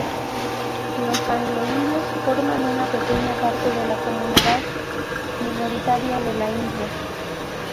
Los anglo-indios forman una pequeña parte de la comunidad minoritaria de la India.